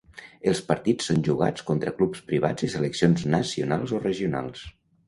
Els partits són jugats contra clubs privats i seleccions nacionals o regionals.